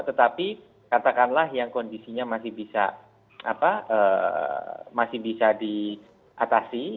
tetapi katakanlah yang kondisinya masih bisa diatasi